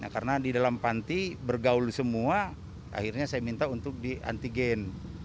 karena di dalam panti bergaul semua akhirnya saya minta untuk di antigen